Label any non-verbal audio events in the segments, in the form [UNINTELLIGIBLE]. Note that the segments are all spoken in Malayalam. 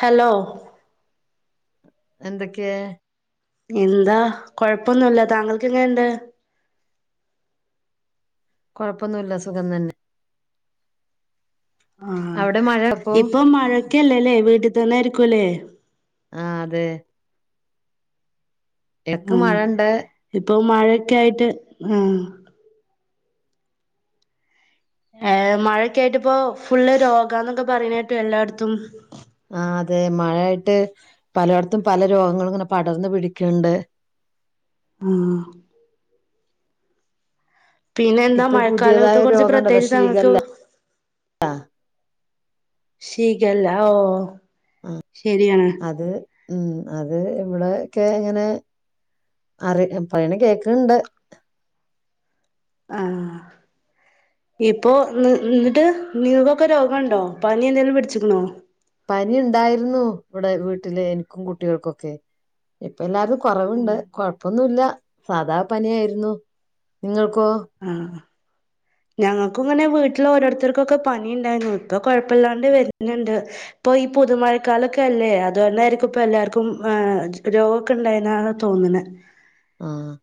ഹലോ എന്തൊക്കെ എന്താ കൊഴപ്പൊന്നില്ല താങ്കൾക്കെങ്ങനെ ഇണ്ട് കൊഴപ്പൊന്നില്ല സുഖംതന്നെ ആ മഴ അപ്പൊ ഇപ്പൊ മഴക്കല്ലെല്ലേ വീട്ടിത്തന്നെ ആരിക്കൂലേ ആ അതെ എക്ക് മഴണ്ട് [UNINTELLIGIBLE] മഴെക്കായിറ്റ് ആ ഏ മഴയൊക്കെയായിട്ടിപ്പോ ഫുള്ള് രോഗാനൊക്കെ പറയണ കേട്ടു എല്ലാടത്തും ആ അതെ മഴയായിട്ട് പലേടത്തും പല രോഗങ്ങളും ഇങ്ങനെ പടർന്നു പിടിക്കണ്ട് ആഹ് പിന്നെന്താ ഇപ്പൊ ഒരു പുതിയതായ ഒരു മഴക്കാലത്തേക്കുറിച്ച് രോഗം ഇണ്ടല്ലോ പ്രത്യേകിച്ച് ഞങ്ങക്ക് ഷീഗല്ല ഷിഗല്ല ഓ ഓ ശരിയാണ് അത് ഉം അത് ഇവിടേക്കെ ഇങ്ങനെ അറി പറയണ കേക്കണണ്ട് ആ ഇപ്പൊ ന് ന്നിട്ട് നിങ്ങക്കൊക്കെ രോഗണ്ടോ പനി എന്തേലും പിടിച്ച്ക്കണോ? പനിയിണ്ടായിരുന്നു ഇവിടെ വീട്ടില് എനിക്കും കുട്ടികൾക്കൊക്കെ എല്ലാരതും കൊറവുണ്ട് കൊഴപ്പൊന്നുല്ല സാധാ പനിയായിരുന്നു നിങ്ങ ആഹ് ഞങ്ങക്കും ഇങ്ങനെ വീട്ടിലോരോരുത്തർക്കൊക്കെ പനിണ്ടായ്ന്നു ഇപ്പൊ കൊഴപ്പല്ലാണ്ട് വരുന്ന്ണ്ട് ഇപ്പൊ ഈ പുത് മഴ കാലൊക്കല്ലേ അതുകൊണ്ടായിരിക്കും ഇപ്പ എല്ലാർക്കും രോഗവൊക്കെ ഇണ്ടായിന്നാ തോന്ന്ണേ ആഹ്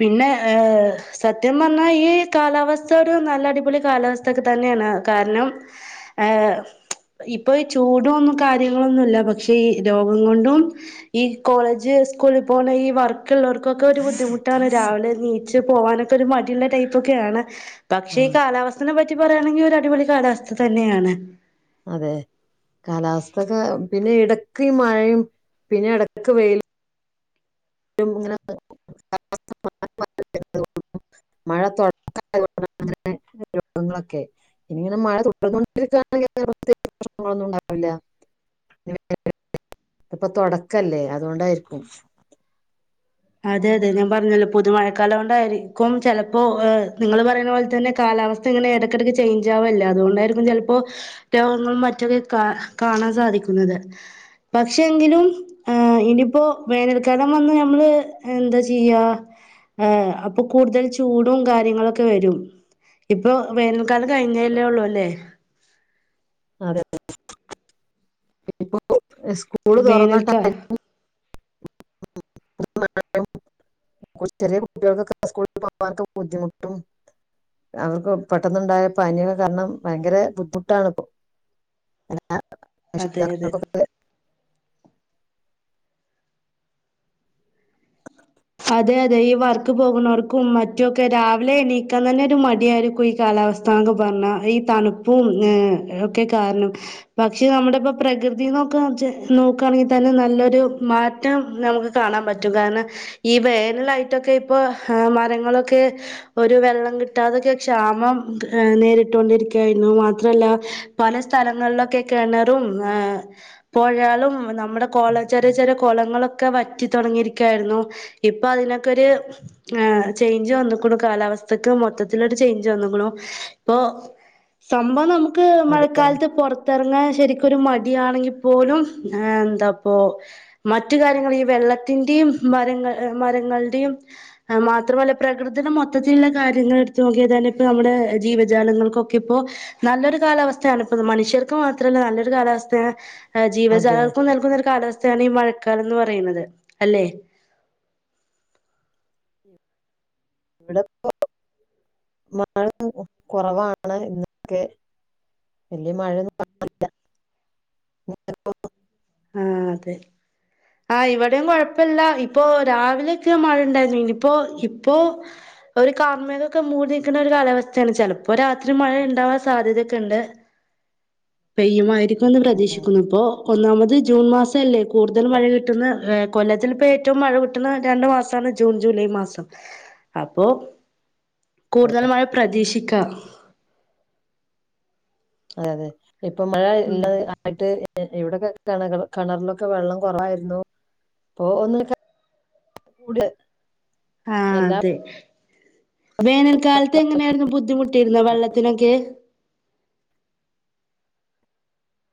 പിന്നെ സത്യം പറഞ്ഞാ ഈ കാലാവസ്ഥ ഒരു നല്ല അടിപൊളി കാലാവസ്ഥ ഒക്കെത്തന്നെണ് കാര്ണം ഇപ്പ ഈ ചൂടു ഒന്നു കാര്യങ്ങളൊന്നുല്ല പക്ഷെ ഈ രോഗം കൊണ്ടും ഈ കോളേജ് സ്കൂളി പോണ ഈ വർക്ക്ള്ളവർക്ക്ള്ളോർക്കൊക്കെ ഒരു ബുദ്ധിമു റ്റാണ് രാവിലെ ണീച്ച് പോവാനൊക്കെ ഒരു മടിയുള്ള ടൈപ്പൊക്കെയാണ് പക്ഷെ ആ ഈ കാലാവസ്ഥനെ പറ്റി ക്കി പറയാണെങ്കി ഒരടിപൊളി കാലാവസ്ഥതന്നെയാണ് അതെ കാലാവസ്ഥൊക്കെ പിന്നെ ഇടക്ക് ഈ മഴയും പിന്നെ എടക്ക് വെയിലും [UNINTELLIGIBLE] ഇപ്പ തൊടക്കവല്ലേ അതുകൊണ്ടായിരിക്കും അതെയതെ ഞാൻ പറഞ്ഞല്ലോ പുതുമഴകാലം കൊണ്ടാരിക്കും ചെലപ്പോ നിങ്ങള് പറയുന്നപോലെതന്നെ കാലാവസ്ഥ ഇങ്ങനെ എടക്കെടക്ക് ചെയ്ഞ്ചാവല്ലേ അതുകൊണ്ടായിരിക്കും ചെലപ്പോ [UNINTELLIGIBLE] കാണാൻ സാധിക്കുന്നത് പക്ഷെ എങ്കിലും ഇനിപ്പോ വേനൽക്കാലം വന്ന് ഞമ്മള് എന്താ ചെയ്യാ അപ്പം കൂടുതൽ ചൂടും കാര്യങ്ങളൊക്കെ വരും ഇപ്പൊ വേനൽക്കാലം കഴിഞ്ഞതല്ലേ ഉള്ളൂ അല്ലേ അതെ [UNINTELLIGIBLE] സ്കൂള് തൊറന്ന വേനൽക്കാ ടൈമും [UNINTELLIGIBLE] ചെറിയ കുട്ടികൾക്കൊക്കെ സ്കൂളിൽ പോകാൻ ബുദ്ധിമുട്ടും അവർക്ക് പെട്ടെന്നുണ്ടായ പനിയൊക്കെ കാരണം ഭയങ്കര ബുദ്ധിമുട്ടാണിപ്പോ അതെ അതെ [UNINTELLIGIBLE] അതെയതെ ഈ വർക്ക്‌ പോകുന്നവർക്കും മറ്റുവൊക്കെ രാവിലെ എണീക്കാൻ തന്നെയൊരു മടിയായിരിക്കും ഈ കാലാവസ്ഥന്നൊക്കെ പറഞ്ഞാൽ ഈ തണുപ്പും ഏ ഒക്കെ കാരണം പക്ഷെ നമ്മളിപ്പം പ്രകൃതിനൊക്കെ നോക്കുവാണെകിൽ തന്നെ നല്ലൊരു മാറ്റം നമുക്ക് കാണാൻ പറ്റും കാരണം ഈ വേനലായിട്ടൊക്കെ ഇപ്പം ആ മരങ്ങളൊക്കെ ഓര് വെള്ളം കിട്ടാതക്കെ ക്ഷാമം നേരിട്ടോണ്ടിരിക്കുവായിരുന്നു മാത്രവല്ല പല സ്ഥലങ്ങളിലൊക്കെ കെണറും ഏ പൊഴകളും നമ്മടെ കൊള നമ്മടെ ചെറിയ ചെറിയ കൊളങ്ങളൊക്കെ വറ്റി തുടങ്ങിയിരിക്കുവാരുന്നു. ഇപ്പ അതിനൊക്കൊരു ആ ചേഞ്ച് വന്നിക്കണു കാലാവസ്ഥക്ക് മൊത്തത്തിലൊരു ചേഞ്ച് വന്നിക്കണു ഇപ്പൊ സംഭവം നമു ക്ക് അതെ മഴക്കാലത്ത് പൊറത്തിറങ്ങാൻ ശെരിക്കൊരു മ ടിയാണെകിൽ പോലും എന്താപ്പോ മറ്റ് കാര്യങ്ങൾ ഈ വെള്ളത്തിന്റെയും മരങ്ങ മരങ്ങൾടേയും മാത്രമല്ല പ്രെകൃതിയുടെ മൊത്തത്തിൽ ഉള്ള കാര്യങ്ങൾ എടുത്ത് നോക്കിയാത്തന്നെ ഇപ്പ നമ്മടെ ജീവജാലങ്ങൾക്കൊക്കെ ഇപ്പോ നല്ലൊരു കാലാവസ്ഥയാണിപ്പോ മനുഷ്യർക്ക് മാത്രമല്ല നല്ലൊരു കാലാവസ്ഥയാണ് ഏ അതെ ജീവജാലങ്ങൾക്കും നിൽക്കുന്നൊരു കാലാവസ്ഥയാണ് ഈ മഴക്കാലം എന്ന് പറയുന്നത് അല്ലേ ഇവിടിപ്പോ മഴ കൊറവാണ് ഇന്നൊക്കെ വെല്ല്യ മഴയൊന്നും കാണാനില്ല [UNINTELLIGIBLE] ആ അതെ ആ ഇവിടേം കൊഴപ്പില്ല ഇപ്പൊ രാവിലൊക്കെ മഴ ഒണ്ടായിരുന്നു ഇനീപ്പോ ഇപ്പോ ഒര് കാർമേഘോക്കെ മൂടി നിക്കണരു കാലാവസ്ഥയാണ് ചെലപ്പോ രാത്രി മഴയുണ്ടാവാൻ സാധ്യതയൊക്കെ ഉണ്ട് പെയ്യുമാരി ക്കുമെന്ന് പ്രതീക്ഷിക്കുന്നു ഇപ്പൊ ഒന്നാമത് ജൂൺ മാസമല്ലേ കൂടുതൽ മഴ കിട്ടുന്ന ഏ കൊല്ലത്തിൽ ഇപ്പോ ഏറ്റവും മഴ കിട്ടുന്ന രണ്ട് മാസമാണ് ജൂൺ ജൂലൈ മാസം അപ്പൊ കൂടുതൽ മഴ പ്രതീക്ഷിക്ക അതെ അതെ ഇപ്പം മഴ ഇള്ളത് [INAUDIBLE] എവിടെക്ക [UNINTELLIGIBLE] കെണറിലൊക്കെ വെള്ളം കൊറവായിരുന്നു. ഇപ്പൊ ഒന്നിലൊക്കെ കൂടിയെ ആഹ് അതെ വേനൽകാലത്ത് എങ്ങനായിരുന്നു ബുദ്ധിമുട്ടിയിരുന്നോ, വെള്ളത്തിനൊക്കെ?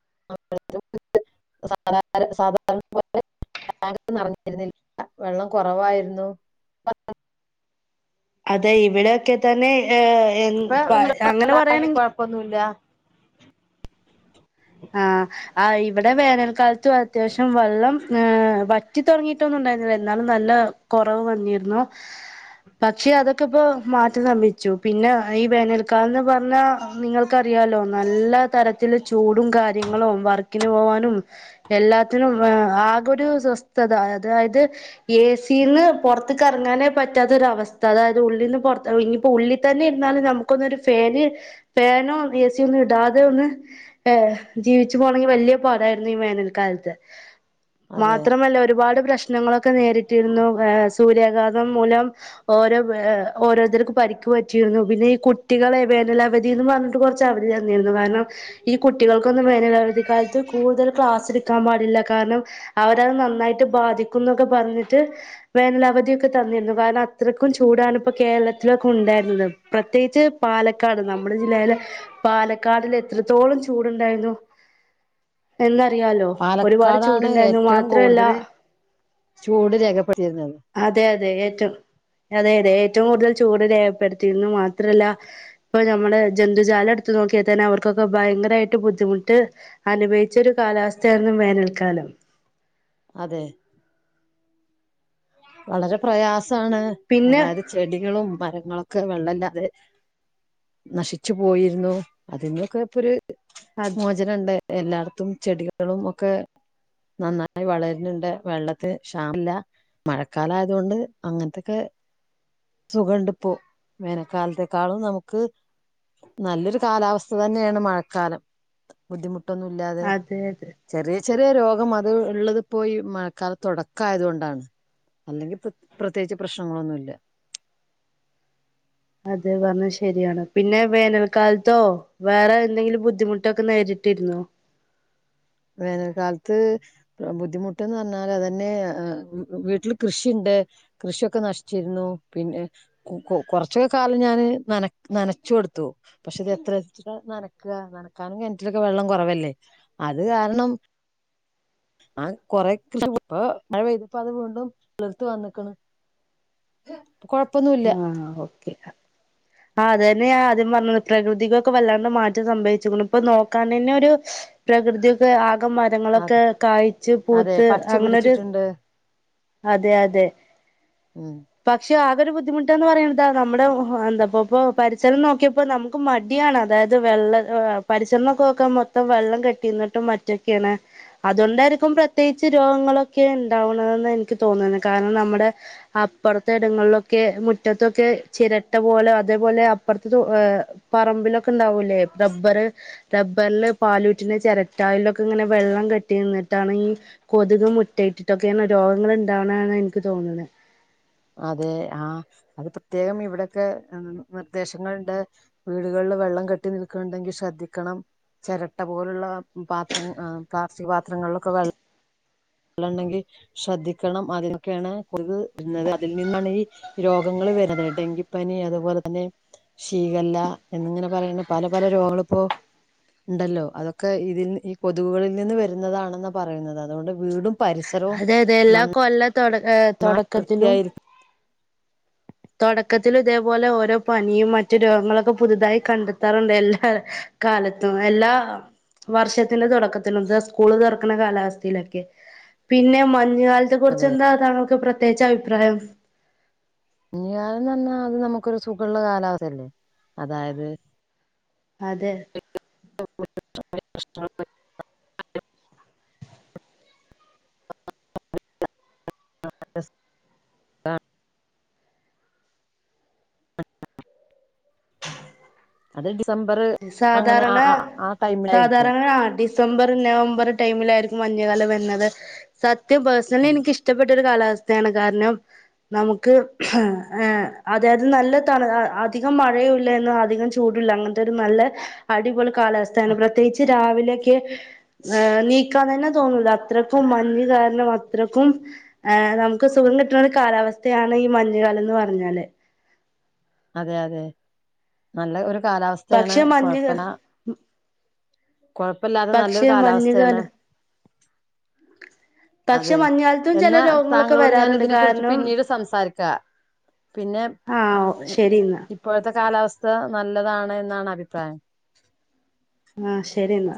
[INAUDIBLE] വെള്ളം കൊറവായിരുന്നു [INAUDIBLE] അതെ ഇവിടെയൊക്കെത്തന്നെ ഏഹ് എൻ ഇപ്പ പ അങ്ങനെ വെള്ളായി പറയാണെങ്കി കൊഴപ്പൊന്നുല്ല ആ ആ ഇവിടെ വേനൽ കാലത്ത് അത്യാവിശ്യം വെള്ളം വറ്റിതൊടങ്ങിട്ടൊന്നും ഒണ്ടായിരുന്നില്ല എന്നാലും നല്ല കൊറവ് വന്നിരുന്നു പക്ഷെ അതൊക്കെ ഇപ്പോമാറ്റം സംഭവിച്ചു പിന്ന ഈ വേനൽകാലന്ന് പറഞ്ഞാൽ നിങ്ങൾ ക്കറിയാലോ നല്ല തരത്തില് ചൂട് കാര്യങ്ങളും വർക്കിനു പോകാനും എല്ലാത്തിനും ആകൊരു സ്വസ്ഥത അതായത് ഏ സി ന്ന്‌ പൊറത്ത്ക്ക് എറങ്ങാനെ പറ്റാത്തൊരവസ്ഥ അതായത് ഉള്ളിന്ന് പൊർ ന്നിപ്പോ ഉള്ളിത്തന്നെ ഇരുന്നാലുംനമുക്കൊന്നൊരു ഫാന് ഫാനോ എ സി യൊ ഇടാതെയൊന്ന് ഏ ജീവിച്ചു പോണങ്കിൽ വെല്ല്യ പാടായിരുന്നു ഈ വേനൽക്കാലത്ത് അതെ മാത്രമല്ല ഒരുപാട് പ്രേശ്നങ്ങളൊക്കെ നേരിട്ടിരുന്നു ഏ സൂര്യാഘാതം കം മൂലം ഒരോ ഏ ഓരോരുത്തർക്ക് പരിക്ക് പറ്റിയിരുന്നു പിന്നെ ഈ കുട്ടികളെ വേനലവധി എന്നുംപറഞ്ഞിട്ട് കൊറച്ചവധി തന്നിരുന്നു കാരണം ഈ കുട്ടികൾക്കൊന്നും വേനലവധിക്കാലത്ത് കൂടുതൽ ക്ലാസ്സെടു ക്കാം പാടില്ല കാരണം അവരത് നന്നായിട്ട് ബാധിക്കുന്നൊക്കെ പറഞ്ഞിട്ട് വേനലവധിയൊക്കെ തന്നിരുന്നു കാരണം അത്രക് ക്കും ചൂടാണിപ്പ കേരളത്തിലൊക്കെ ഒണ്ടായിരുന്നത് പ്രത്യേകിച്ച് പാലക്കാട്‌ നമ്മടെ ജില്ലയിലെ പാലക്കാടിലെത്ര ത്തോളം ചൂടുണ്ടായിരുന്നു. എന്നാൽ റിയാലോ ഒരുപാട് പാലക്കാടാണ് ചൂട്ണ്ടായിരുന്നു ഏറ്റവും മാത്രല്ല കൂടുതൽ ചൂട് രേഖപ്പെടുത്തിയിരുന്നത് അതെയതെ ഏറ്റോം അതെയതെ ഏ എറ്റവും കൂടുതൽ ചൂട് രേഖപെടുത്തിയത് മാത്രല്ല ഇപ്പൊ നമ്മുടെ ജന്തു ജാലം എടുത്ത് നോക്കിയാ തന്നെ അവർക്ക് ർക്ക് ഒക്കെ ഭയങ്കരായിട്ട് ബുദ്ധിമുട്ട് അനുഭവിച്ച ഒരു കാലാവസ്ഥ ആയിരുന്നു വേനൽകാലം അതെ വളരെ പ്രയാസം സാണ് പിന്നെ അതായത് ചെടികളും മരങ്ങളും ക്ക് വെള്ളം ഇല്ലാതെ നശിച്ചു പോയിരുന്നു അത് മോചനം ഇണ്ട് എല്ലായിടത്തും ചെടികളും ഒക്കെ നന്നായി വളരുന്നുണ്ട് വെള്ളത്തിന് ക്ഷാമം ഇല്ല മഴ കാലം ആയതോണ്ട് അങ്ങനത്തെ ഒക്കെ സുഖണ്ട് ഇപ്പൊ വേനൽ കാലത്തേക്കാളും നമ്മുക്ക് നല്ലൊരു കാലാവസ്ഥ തന്നെയാണ് മഴക്കാലം ബുദ്ധിമുട്ട് ബുദ്ധിമുട്ട് ഒന്നും ഇല്ലാതെ അതെ അതെ ചെറിയ ചെറിയ രോഗം അത് ഇള്ളതിപ്പോ ഈ മയക്കാലം തുടക്കം ആയതോണ്ട് ആണ് അല്ലെങ്കിൽ ഇപ്പൊ പ്രതേകിച്ചു പ്രശ്നങ്ങൾ ഒന്നും ഇല്ല അതെ പറഞ്ഞത് ശെരിയാണ് പിന്നെ വേനൽ കാലത്തോ വേറെ എന്തെങ്കിലും ബുദ്ധിമുട്ട് ഒക്കെ നേരിട്ടിരുന്നോ വേനൽ കാലത്ത് ബുദ്ധിമുട്ട്ന്ന് പറഞ്ഞാ അതെന്നെ [UNINTELLIGIBLE] വീട്ടിൽ കൃഷി ഇണ്ട് കൃഷി ഒക്കെ നശിച്ചിരുന്നു പിന്നെ കൊ കൊറച്ചൊക്കെ കാലം ഞാൻ നനച്ച്കൊടുത്തു പക്ഷെ ഇത് എത്ര എത്ര നനക്കാ നനക്കാനും കിണറ്റിൽ വെള്ളം കുറവല്ലേ അത്‌ അത്‌ കാരണം [UNINTELLIGIBLE] എന്നാലും കുറെ കൃഷി പോയ് ഇപ്പൊ മഴ പെയ്തപ്പോ അത്‌ വീണ്ടും തള്ർത്ത് വന്നക്ക്ണ് ആ ഓക്കേ ആ അതെന്നെ ഞാൻ ആദ്യം പറഞ്ഞത് പ്രകൃതി ക്ക് വല്ലാണ്ടെ മാറ്റം സഭവിച്ചിരിക്കുന്നു ഇപ്പൊ നോക്കാൻ തന്നെ ഒരു പ്രകൃതി ഒക്കെ ആകെ മരങ്ങൾ ഒക്കെ അതെ കായ്ച്ചു അതെ പൂത്ത് പച്ച അങ്ങനെരു പിടിച്ചിട്ടുണ്ട് അതെ അതെ ഉം പക്ഷെ ഒരു ബുദ്ധിമുട്ട്ന്ന് പറയണത് നമ്മുടെ എന്താ ഇപ്പൊ പരിസരം നോക്കിയപ്പോ നമ്മുക്ക് മടിയാണ് അതായത് വെള്ളം പരിസരം നോക്കുമ്പോ ഒക്കെ മൊത്തം വെള്ളം കെട്ടിനിന്നിട്ടും മറ്റും ഒക്കെ ആണ് അത്‌ കൊണ്ടായിരിക്കും പ്രതേകിച്ചു രോഗങ്ങൾ ഒക്കെ ഉണ്ടാവ്ണതെന്ന എനിക്ക് ക്ക് തോന്നുണത് കാരണം നമ്മുടെ അപ്പുറത്തെ ഇടങ്ങളില്ഒക്കെ മുറ്റതൊക്കെ ചിരട്ടപോലെ അതെ പോലെ അപ്പുറത്തെ തോ [UNINTELLIGIBLE] പറമ്പിലൊക്കെ ലൊക്കെ ഉണ്ടാവൂലെ റബ്ബറ് റബ്ബറിന് പാല് ഊറ്റ്ണ ചെരട്ട അയിലൊക്കെ ഇങ്ങനെ വെള്ളം കെട്ടിനിന്നിട്ടാണ് കൊതുക് മുട്ടഇട്ടിട്ടൊക്കെ ആണ് രോഗങ്ങൾ ഉ ഉണ്ടാവുന്നത് എന്നാണ് ഇന്ക് തോന്നുന്നത് അതെ ആ അത്‌ പ്രത്യേകം ഇവിടൊക്കെ നിർദ്ദേശങ്ങള് ഇണ്ട് വീടുകളിൽ വെള്ളം കെട്ടി നിൽക്കുണ്ടെങ്കിൽ ശ്രദ്ധിക്കണം ചെരട്ട പോലുള്ള പാത്രങ്ങൾ പ്ലാസ്റ്റിക് പാത്രങ്ങളിലൊക്കെ വെള്ളം വെള്ളം ഇണ്ടെങ്കിൽ ശ്രദ്ദിക്കണം അതിൽ നിന്നൊക്കെ ആണ് കൊതുക് വരുന്നത് അതിൽ നിന്നാണ് ഈ രോഗങ്ങൾ വരുന്നത് ഡെങ്കിപനി അത്‌ പോലെ തന്നെ ശീകല്ല എന്നിങ്ങനെ പറയുന്ന പല പല രോഗങ്ങൾ ഇപ്പൊ ഇണ്ടല്ലോ അതൊക്കെ ഇതിൽ നിന്ന് കൊതുകുകളിൽ വരുന്നതാണെന്നാ പറയുന്നത് അതോണ്ട് വീടും അതെ അതെ എല്ലാ കൊല്ല ത്തിന്റെ തുടക്കത്തിലും നന്നായിരിക്കും തുടക്കത്തിൽ ഇതേ പോലെ ഓരോ പനിയും മറ്റു രോഗങ്ങളും ഒക്കെ പുതുതായി കണ്ടെത്താറുണ്ട് എല്ലാ കാലത്തും എല്ലാ വർഷത്തിന്റെ തുടക്കത്തിലും ദേ സ്കൂൾ തുറക്ക്ണ കാലാവസ്ഥയിലും ഒക്കെ പിന്നെ മ മഞ്ഞു കാലംത്തു കുറചെന്താ തണുപ്പ് പ്ര ന്റെ അഭിപ്രായം ഞാനെന്ന പറഞ്ഞത് നമ്മുക്ക് ഒരു സുഖമുള്ള കാലാവസ്ഥ അല്ലെ അതായത് അതെ [UNINTELLIGIBLE] [UNINTELLIGIBLE] [INAUDIBLE] [INAUDIBLE] [INAUDIBLE] അത് ഡിസ് സാധാരണ ടൈമിലായിരിക്കും സാധാരണ അ ഡിസംബർ നവംബർ ടൈംമിൽ ആയിരിക്കും മഞ്ഞുകാലം വരുന്നത് സത് പേർസണലി അതെ എനിക്കിഷ്ടപ്പെട്ടൊരു കാലാവസ്ഥ കാരണം നമുക്ക് അതെ അത് നല്ല തണു അതികം മഴയില്ല എന്ന അതികം ചൂടുല്ല അങ്ങനെ നല്ല അടിപൊളി കാലാവസ്ഥ ആണ് പ്രേത്യേകിച്ചു രാവിലേക്ക് നിക്കാൻ തന്നെ തോന്നൂല്ല അത്രക്കും മഞ്ഞു കാരണം അത്രക്കും നമുക്ക് സുഖം കിട്ടുണ ഒരു കാലാവസ്ഥ ആണ് ഈ മഞ്ഞു കാലന്ന് പറഞ്ഞാല് അതെ അതെ നല്ല ഒരു കാലാവസ്ഥ ആണ് പക്ഷെ മഞ്ഞ് കുഴപ്പ കുഴപ്പല്ലാതെ നല്ലൊരു പക്ഷെ കാലാവസ്ഥ ആണ്. മഞ്ഞുകാലം പക്ഷെ അതെ മഞ്ഞുകാലത്തും ചില എന്നാ രോഗങ്ങളൊക്കെ താങ്കളോട് ഞാൻ വരാറുണ്ട് ഇതിനെ കുറിച്ച് കാരണം പിന്നീട് സംസാരിക്കാം പിന്നെ ആഹ് ശരി എന്നാ ഇപ്പോഴത്തെ കാലാവസ്ഥ നല്ലതാണെന്നാണ് അഭിപ്രായം ആഹ് ശരി എന്നാ